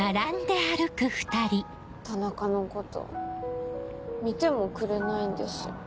田中のこと見てもくれないんです。